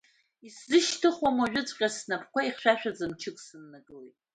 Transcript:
Исзышьҭыхуам уажәыҵәҟьа снапқәа, ихьшәашәаӡа мчык сыннакылеит.